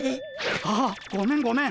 あっごめんごめん。